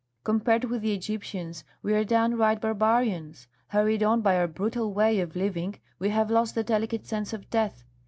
Compared with the Egyptians, we are downright barbarians; hurried on by our brutal way of living, we have lost the delicate sense of death.